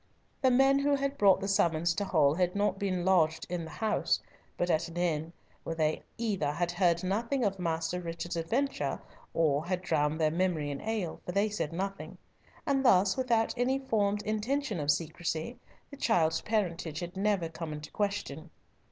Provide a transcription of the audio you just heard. The men who had brought the summons to Hull had not been lodged in the house, but at an inn, where they either had heard nothing of Master Richard's adventure or had drowned their memory in ale, for they said nothing; and thus, without any formed intention of secrecy, the child's parentage had never come into question.